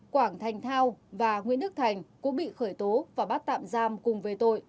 quảng thành thao và nguyễn đức thành cũng bị khởi tố và bắt tạm giam cùng về tội